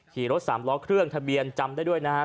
ขี่รถสามล้อเครื่องทะเบียนจำได้ด้วยนะฮะ